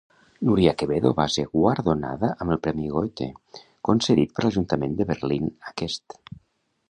Núria Quevedo va ser guardonada amb el Premi Goethe, concedit per l'Ajuntament de Berlín Aquest.